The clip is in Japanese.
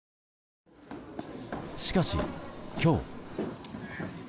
しかし、今日。